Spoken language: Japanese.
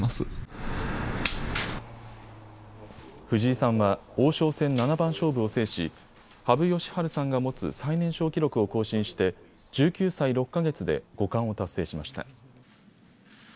藤井さんは王将戦七番勝負を制し羽生善治さんが持つ最年少記録を更新して１９歳６か月で五冠を達成しました。